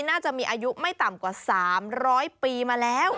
น่าจะมีอายุไม่ต่ำกว่า๓๐๐ปีมาแล้ว